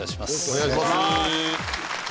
お願いします。